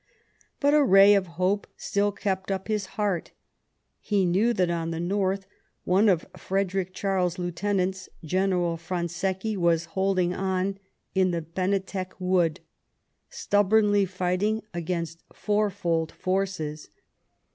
But a ray of hope still kept up his heart. He knew that on the north one of Frederick Charles's lieutenants. General Fransecky, was holding on in the Benateck Wood, stubbornly fighting against fourfold forces.